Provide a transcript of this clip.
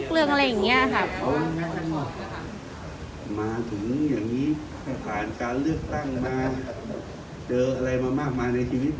มาถึงอย่างนี้ถ้าผ่านการเลือกตั้งมาเจออะไรมามากมายในชีวิต